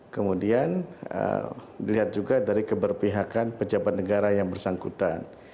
kemudian dilihat juga dari keberpihakan pejabat negara yang bersangkutan